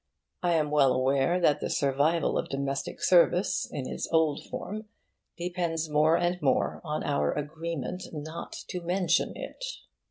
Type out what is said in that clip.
I am well aware that the survival of domestic service, in its old form, depends more and more on our agreement not to mention it.